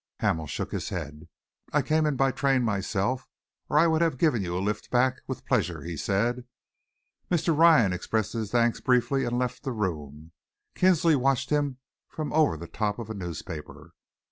Hamel shook his head. "I came in by train myself, or I would have given you a lift back, with pleasure," he said. Mr. Ryan expressed his thanks briefly and left the room. Kinsley watched him from over the top of a newspaper.